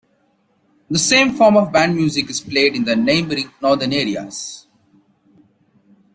The same form of band music is played in the neighbouring Northern Areas.